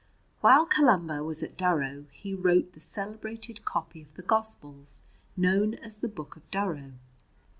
While Columba was at Durrow he wrote the celebrated copy of the Gospels known as the "Book of Durrow."